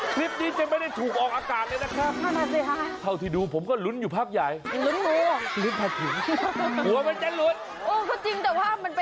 คลิปนี้จะไม่ได้ถูกออกอากาศเลยนะครับ